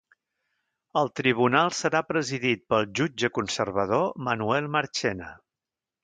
El tribunal serà presidit pel jutge conservador Manuel Marchena.